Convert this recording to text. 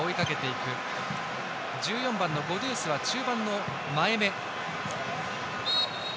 １４番のゴドゥースは中盤の前め。